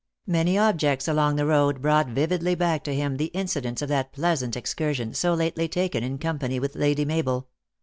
Many objects along the road brought vividly back to him the inci dents of that pleasant excursion, so lately taken in company with Lady Mabel.